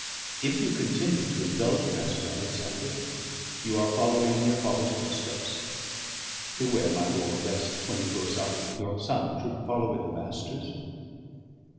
"If you continue to indulge Mr. Alexander, you are following in your father's footsteps. Beware, my lord, lest (when he grows up) your son should follow in the Master's."